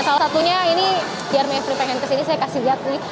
salah satunya ini biar mevri pengen kesini saya kasih lihat nih